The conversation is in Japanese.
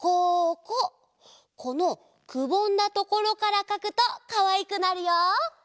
このくぼんだところからかくとかわいくなるよ。